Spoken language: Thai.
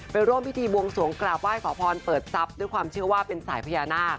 ร่วมพิธีบวงสวงกราบไหว้ขอพรเปิดทรัพย์ด้วยความเชื่อว่าเป็นสายพญานาค